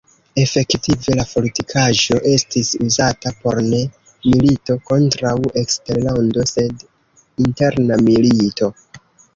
Efektive la fortikaĵo estis uzata por ne milito kontraŭ eksterlando sed interna milito.